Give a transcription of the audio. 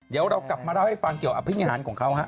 เดี๋ยวเรากลับมาเล่าให้ฟังเกี่ยวอภินิหารของเขาฮะ